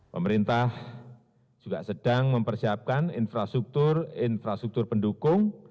pemerintah juga sedang mempersiapkan infrastruktur infrastruktur pendukung